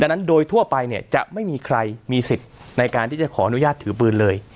ดังนั้นโดยทั่วไปเนี่ยจะไม่มีใครมีสิทธิ์ในการที่จะขออนุญาตถือปืนเลย